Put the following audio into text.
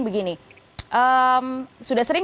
begini sudah sering